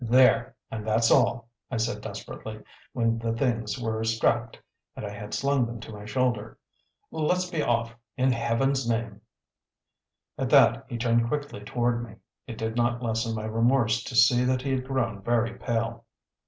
"There and that's all!" I said desperately, when the things were strapped and I had slung them to my shoulder. "Let's be off, in heaven's name!" At that he turned quickly toward me; it did not lessen my remorse to see that he had grown very pale.